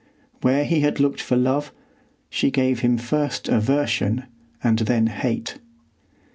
Where he had looked for love, she gave him first aversion and then hate.